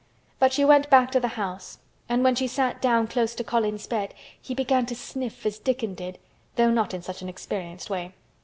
But she went back to the house and when she sat down close to Colin's bed he began to sniff as Dickon did though not in such an experienced way.